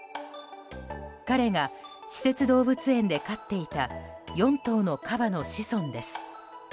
彼が私設動物園で飼っていた４頭のカバの子孫です。